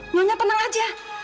maksudnya tenang saja